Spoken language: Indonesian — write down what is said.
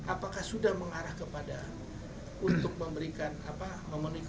apakah sudah mengarah kepada untuk memberikan